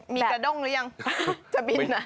มีกระด้งหรือยังจะบินไหน